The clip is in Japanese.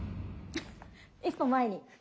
１歩前に。